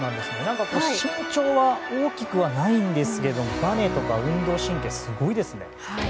身長は大きくはないんですけれどもばねとか運動神経すごいですね。